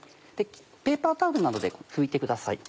ペーパータオルなどで拭いてください。